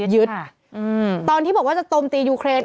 ยึดค่ะตอนที่บอกว่าจะตมตียุเครียน